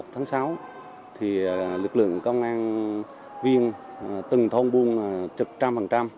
tháng sáu lực lượng công an viên từng thôn buôn trực trăm phần trăm